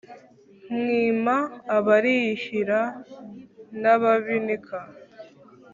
mwima abarihira n’abinika;